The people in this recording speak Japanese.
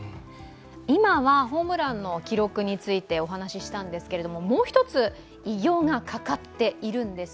今はホームランの記録についてお話ししたんですが、もう一つ偉業がかかっているんです。